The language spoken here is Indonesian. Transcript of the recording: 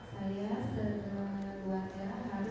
kalau kita sudah kembali